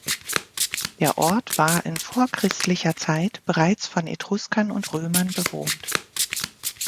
Der Ort war in vorchristlicher Zeit bereits von Etruskern und Römern bewohnt.